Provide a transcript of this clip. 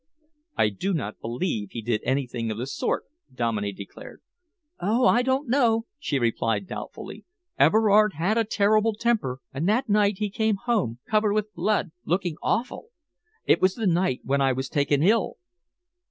"I do not believe he did anything of the sort," Dominey declared. "Oh, I don't know," she replied doubtfully. "Everard had a terrible temper, and that night he came home covered with blood, looking awful! It was the night when I was taken ill."